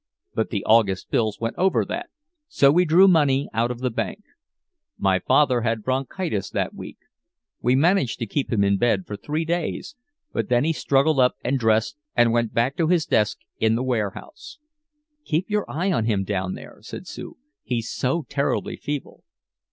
But the August bills went over that, so we drew money out of the bank. My father had bronchitis that week. We managed to keep him in bed for three days, but then he struggled up and dressed and went back to his desk in the warehouse. "Keep your eye on him down there," said Sue. "He's so terribly feeble."